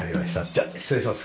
じゃあ失礼します。